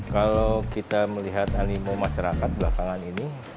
kalau kita melihat animo masyarakat belakangan ini